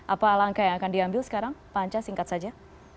apa langkah yang akan diambil sekarang pak anca singkat saja